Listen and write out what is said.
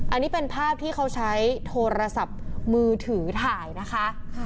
อันนี้เป็นภาพที่เขาใช้โทรศัพท์มือถือถ่ายนะคะ